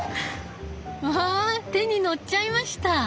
わ手にのっちゃいました！